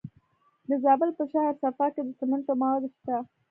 د زابل په شهر صفا کې د سمنټو مواد شته.